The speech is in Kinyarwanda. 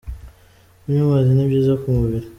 Kunywa amazi ni byiza ku mubiri.